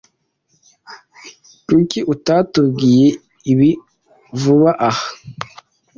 Kuki utatubwiye ibi vuba aha?